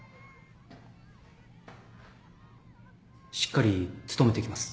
しっかり務めてきます。